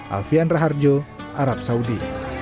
alfian raharjo arab saudi